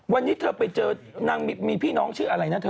วันนี้เธอไปเจอนางมีพี่น้องชื่ออะไรนะเธอ